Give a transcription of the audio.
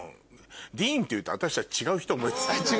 ディーンっていうと私たち違う人思い出す。